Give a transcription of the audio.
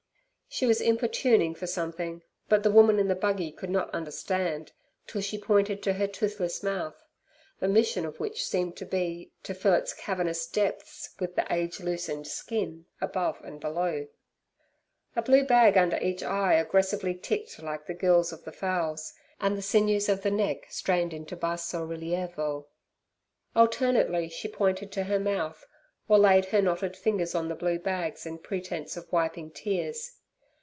She was importuning for something, but the woman in the buggy could not understand till she pointed to her toothless mouth (the mission of which seemed to be, to fill its cavernous depths with the age loosened skin above and below). A blue bag under each eye aggressively ticked like the gills of the fowls, and the sinews of the neck strained into basso rilievo. Alternately she pointed to her mouth, or laid her knotted fingers on the blue bags in pretence of wiping tears.